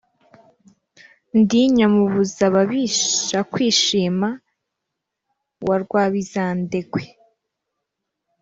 Ndi Nyamubuzababishakwishima wa Rwabizandekwe